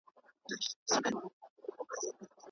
هغې په خپل زړه کې د خپل لمسي مینه په ارمان لټوله.